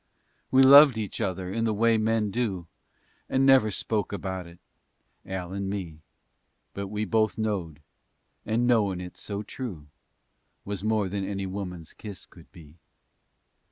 We loved each other in the way men do And never spoke about it, Al and me, But we both knowed, and knowin' it so true Was more than any woman's kiss could be.